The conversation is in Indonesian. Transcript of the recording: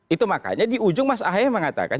itu makanya di ujung mas ahy mengatakan